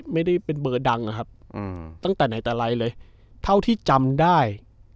ไม่ได้เป็นเบอร์ดังนะครับตั้งแต่ไหนแต่ไรเลยเท่าที่จำได้